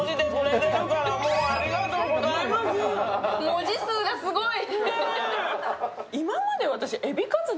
文字数がすごい。